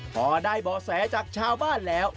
พอได้บ่อแสจากชาวบ้านแล้ว